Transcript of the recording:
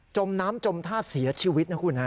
มน้ำจมท่าเสียชีวิตนะคุณฮะ